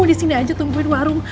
disini aja tungguin warung